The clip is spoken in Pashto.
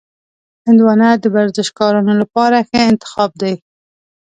هندوانه د ورزشکارانو لپاره ښه انتخاب دی.